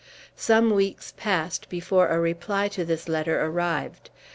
Some weeks passed before a reply to this letter arrived.